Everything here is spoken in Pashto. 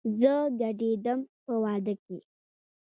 زه ګډېدم په وادۀ کې